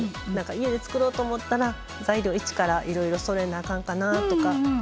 家で作ろうと思ったら材料を一からいろいろそろえなあかんかなとかちょっとハードル高そうで。